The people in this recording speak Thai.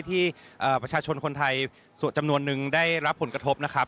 ที่ประชาชนคนไทยส่วนจำนวนนึงได้รับผลกระทบนะครับ